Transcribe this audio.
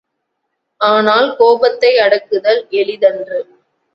ஆனால் கோபத்தை அடக்குதல் எளிதன்று!